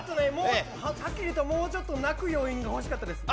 はっきりと、もうちょっと泣く余韻が欲しかったですね。